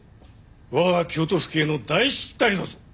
我が京都府警の大失態だぞ！